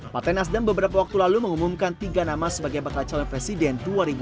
partai nasdem beberapa waktu lalu mengumumkan tiga nama sebagai bakal calon presiden dua ribu dua puluh